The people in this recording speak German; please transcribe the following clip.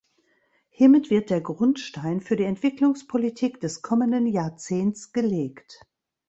Hiermit wird der Grundstein für die Entwicklungspolitik des kommenden Jahrzehnts gelegt.